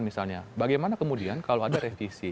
misalnya bagaimana kemudian kalau ada revisi